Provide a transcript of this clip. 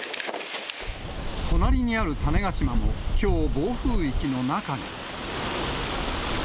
隣にある種子島も、きょう暴風域に中に。